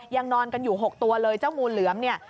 นอนกันอยู่๖ตัวเลยเจ้างูเหลือมเนี่ย